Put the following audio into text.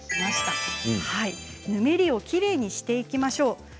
ぬめりをきれいにしていきましょう。